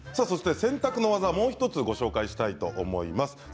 洗濯の技、もう１つご紹介したいと思います。